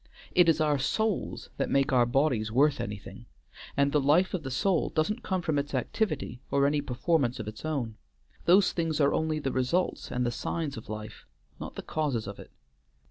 It is our souls that make our bodies worth anything, and the life of the soul doesn't come from its activity, or any performance of its own. Those things are only the results and the signs of life, not the causes of it."